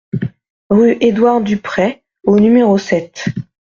Rue Édouard Dupray au numéro sept